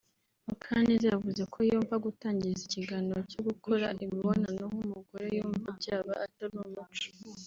Mukaneza yavuze ko yumva gutangiza ikiganiro cyo gukora imibonano nk’umugore yumva byaba atari umuco